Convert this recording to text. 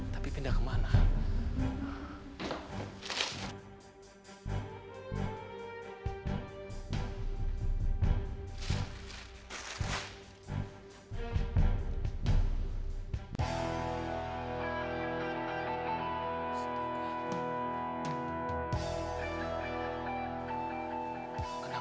tapi pindah ke mana